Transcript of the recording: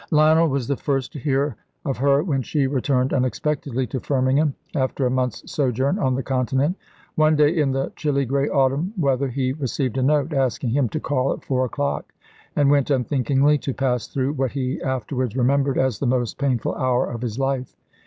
Lionel was the first to hear of her when she returned unexpectedly to Firmingham, after a month's sojourn on the Continent. One day in the chilly grey autumn weather he received a note asking him to call at four o'clock, and went unthinkingly to pass through what he afterwards remembered as the most painful hour of his life.